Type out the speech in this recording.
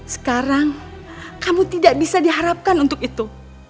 sekarang kamu tidak bisa diharapkan untuk itu